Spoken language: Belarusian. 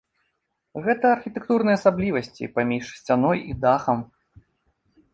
Гэта архітэктурныя асаблівасці паміж сцяной і дахам.